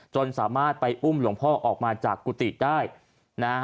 จนสามารถไปอุ้มหลวงพ่อออกมาจากกุฏิได้นะฮะ